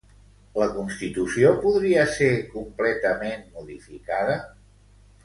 La constitució podria ser completament modificada?